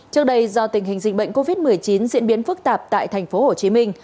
trước đây do tình hình dịch bệnh covid một mươi chín diễn biến phức tạp tại tp hcm